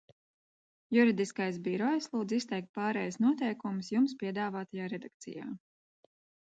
Juridiskais birojs lūdz izteikt pārejas noteikumus jums piedāvātajā redakcijā.